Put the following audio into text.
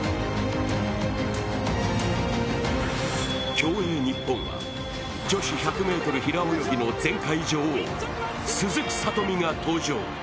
競泳日本は女子１００ｍの前回女王・鈴木聡美が登場。